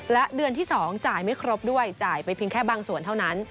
และเดือนที่๒จ่ายไม่ครบด้วยจ่ายไปเพียงแค่บางส่วนเท่านั้น